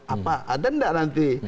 apa ada tidak nanti